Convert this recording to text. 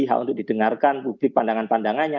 hak untuk didengarkan publik pandangan pandangannya